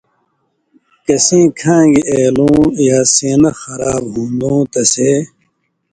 کسیں کھانگیۡ ایلُوں یا سینہ خراب ہُون٘دوں تسے